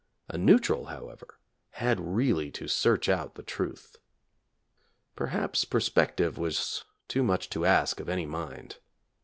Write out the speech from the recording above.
A neutral, however, had really to search out the truth. Per haps perspective was too much to ask of any mind.